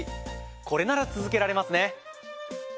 これなら続けられますね。